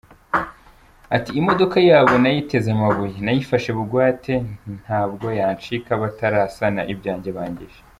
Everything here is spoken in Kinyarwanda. Ati “Imodoka yabo nayiteze amabuye, nayifashe bugwate ntabwo yancika batarasana ibyanjye bangije.